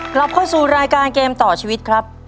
กลับเข้าสู่รายการเกมต่อชีวิตครับ